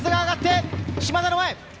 島田の前！